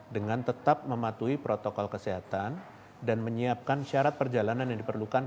dengan tetap mematuhi protokol kesehatan dan menyiapkan syarat perjalanan yang diperlukan